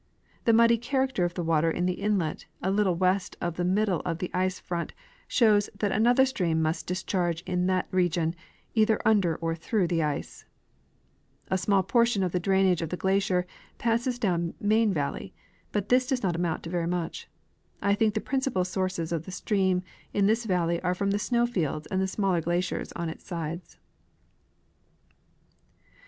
The muddy character of the water in the inlet a little west of the middle of the ice front shows that another stream must discharge in that region, either under or through the ice. A small part of the drainage of the glacier passes down Main valley, but this does not amount to very much. I think the principal sources of the stream in this valley are from the snow fields and smaller glaciers on its sides.